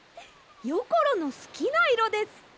よころのすきないろです！